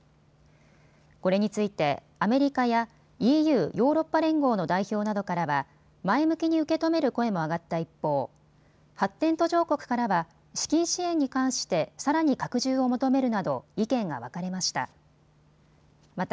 これについてアメリカやＥＵ・ヨーロッパ連合の代表などからは前向きに受け止める声も上がった一方、発展途上国からは資金支援に関してさらに拡充を求めるなど意見が分かれました。